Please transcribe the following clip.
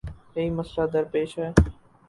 یہی مسئلہ درپیش ہے۔